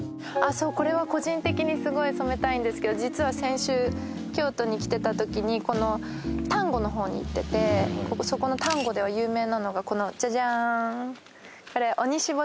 そうこれは個人的にすごい染めたいんですけど実は先週京都に来てたときに丹後のほうに行っててそこの丹後では有名なのがこのジャジャーンこれ鬼しぼ